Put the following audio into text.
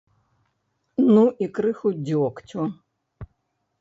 Ну і крыху дзёгцю!